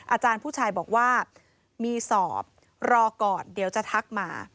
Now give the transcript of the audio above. อาจารย์ผู้ชายบอกว่ามีสอบรอก่อนเดี๋ยวจะทักมา